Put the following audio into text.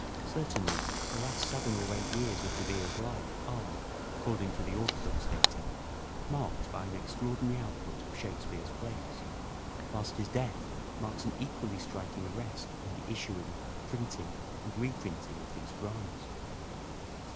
Certainly the last seven or eight years of De Vere's life are, according to the orthodox dating, marked by an extraordinary output of Shakespeare's plays, whilst his death marks an equally striking arrest in the issuing, printing and reprinting of these dramas.